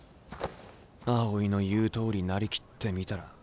青井の言うとおりなりきってみたらとんでもねえ。